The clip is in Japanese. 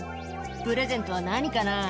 「プレゼントは何かな？」